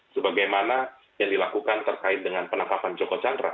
sebagaimana yang dilakukan terkait dengan penangkapan joko chandra